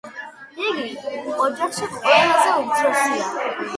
იგი ოჯახში ყველაზე უმცროსია.